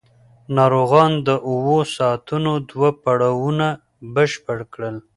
ناروغان د اوو ساعتونو دوه پړاوونه بشپړ کړل.